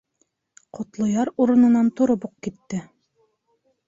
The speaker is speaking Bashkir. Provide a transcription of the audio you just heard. Ҡотлояр урынынан тороп уҡ китте.